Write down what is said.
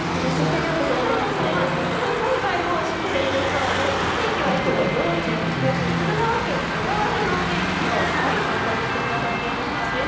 兵頭さんはみかん栽培をしているそうで天気は要チェック、神奈川県小田原の天気を参考にしてくださっているそうです。